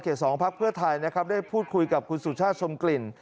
ศสกขไทยนะครับได้พูดคุยคุณสุชาติชมกลิ่น